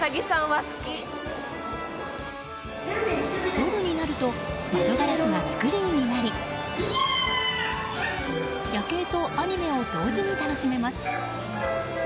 夜になると窓ガラスがスクリーンになり夜景とアニメを同時に楽しめます。